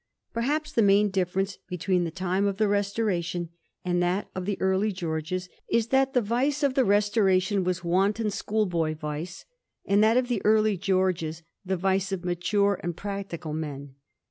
Perhaps the main difference between the time of the Restoration and that of the early Georges is that the vice of the Restoration was wanton school boy vice, and that of the early Georges the vice of mature and practical men.